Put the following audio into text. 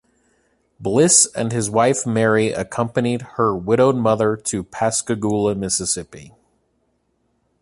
Bliss and his wife Mary accompanied her widowed mother to Pascagoula, Mississippi.